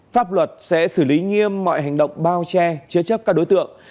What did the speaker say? pháp luật sẽ xử lý nghiêm mọi hành động bao che chứa chấp các đối tượng